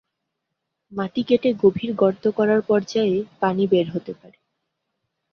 মাটি কেটে গভীর গর্ত করার পর্যায়ে পানি বের হতে পারে।